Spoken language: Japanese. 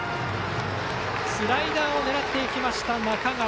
スライダーを狙っていきました中川。